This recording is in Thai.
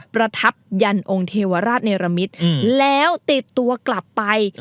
ประทับยันองค์เทวราชเนรมิตแล้วติดตัวกลับไป